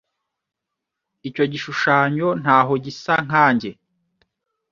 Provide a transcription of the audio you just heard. Icyo gishushanyo ntaho gisa nkanjye.